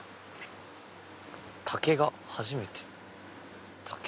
竹が初めて。